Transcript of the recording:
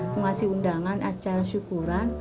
mengasih undangan acara syukuran